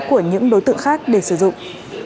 của những đối tượng khác để sử dụng